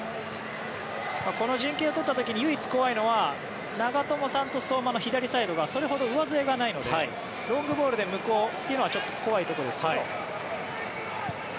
この陣形を取った時に唯一怖いのは長友さんと相馬の左サイドがそれほど上背がないのでロングボールで無効というのはちょっと怖いところですけど。